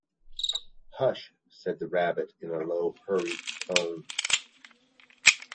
Hush!’ said the Rabbit in a low, hurried tone.